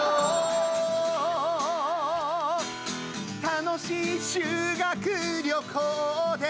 「楽しい修学旅行で」